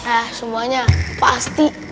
ah semuanya pasti